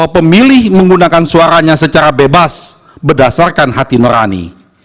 pemilih menggunakan suaranya secara bebas berdasarkan hati nurani